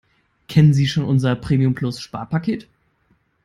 Kennen Sie schon unser Premium-Plus-Sparpaket?